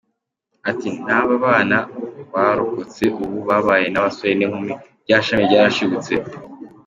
Ati “N’aba bana barokotse ubu babaye abasore n’inkumi … rya shami ryarashibutse.